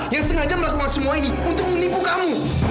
yang sengaja melakukan semua ini untuk menipu kamu